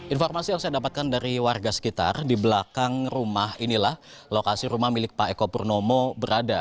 informasi yang saya dapatkan dari warga sekitar di belakang rumah inilah lokasi rumah milik pak eko purnomo berada